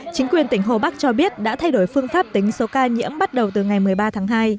chính quyền tỉnh hồ bắc cho biết đã thay đổi phương pháp tính số ca nhiễm bắt đầu từ ngày một mươi ba tháng hai